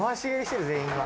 全員が。